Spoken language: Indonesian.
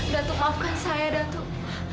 datuk maafkan saya datuk